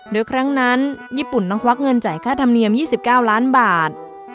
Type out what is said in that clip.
โดยครั้งนั้นญี่ปุ่นต้องควักเงินจ่ายค่าธรรมเนียม๒๙ล้านบาท